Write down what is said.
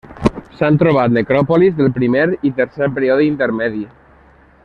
S'han trobat necròpolis del primer i tercer període intermedi.